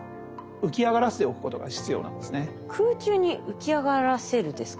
「空中に浮き上がらせる」ですか？